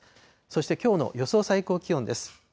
そして、きょうの予想最高気温です。